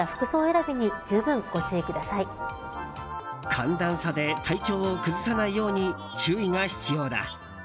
寒暖差で体調を崩さないように注意が必要だ。